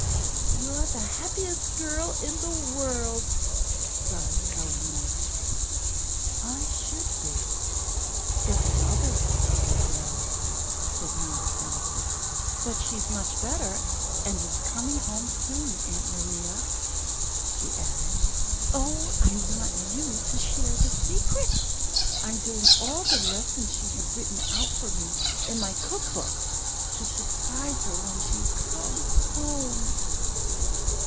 "You're the happiest girl in the world!" sighed Eleanor. [Illustration: A little cap] "I should be, if Mother were really well," said Mary Frances; "but she's much better, and is coming home soon. Aunt Maria," she added, "oh, I want you to share the secret! I'm doing all the lessons she had written out for me in my cook book to surprise her when she comes home!"